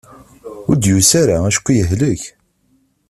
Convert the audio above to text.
Ur d-yusi ara acku yehlek.